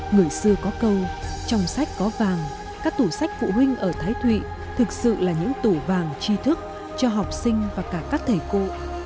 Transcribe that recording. người xưa có câu trong sách có vàng các tủ sách phụ huynh ở thái thụy thực sự là những tủ vàng chi thức cho học sinh và cả các thầy cô